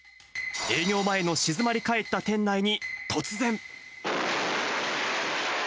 営業前の静まり返った店内に、突然。